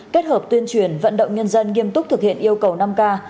kết hợp tuyên truyền vận động nhân dân nghiêm túc thực hiện yêu cầu năm k